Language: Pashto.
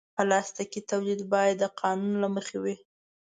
پلاستيکي تولید باید د قانون له مخې وي.